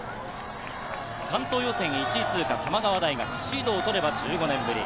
関東予選１位通過、玉川大学、シードを取れば１５年ぶり。